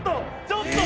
ちょっと！